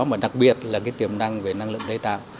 mà đặc biệt là cái tiềm năng về năng lượng tái tạo